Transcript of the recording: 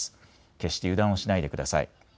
決して油断をしないでください。